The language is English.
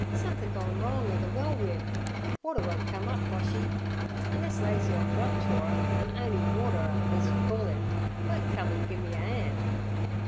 'Somethin' gorn wrong er ther well wim; water won't come up, Boshy. An' this lazy ole grub chawrer an' 'oney waterer, ez you call im, won't come an' gi' me a 'and.